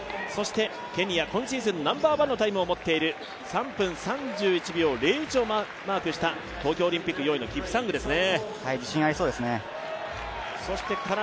ケニア、今シーズンナンバーワンのタイムを持っている３分３１秒０１をマークした、東京オリンピック４位のキプサングですね。